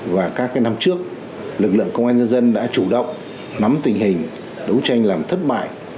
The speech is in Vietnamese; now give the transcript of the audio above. và các năm trước lực lượng công an nhân dân đã chủ động nắm tình hình đấu tranh làm thất bại